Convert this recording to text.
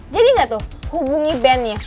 jadi nggak tuh hubungi band nya